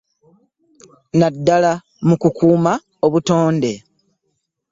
Naddala mu ku kukuuma obutonde.